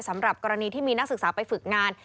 สำหรับกรณีที่มีนักศึกษาไปฝึกงาน